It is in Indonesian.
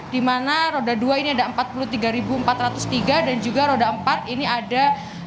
dimana roda dua ini ada empat puluh tiga empat ratus tiga dan juga roda empat ini ada dua puluh lima empat ratus lima puluh delapan